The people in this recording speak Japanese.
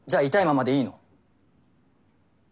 ままでいいの？